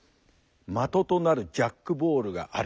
的となるジャックボールがある。